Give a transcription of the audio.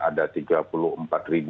ada tiga puluh empat ribu